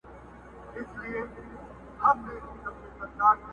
هر څوک د خپل ضمير سره يو څه جګړه لري